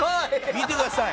「見てください。